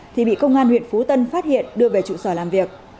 thì bị công an huyện phú tân phát hiện đưa về trụ sở làm việc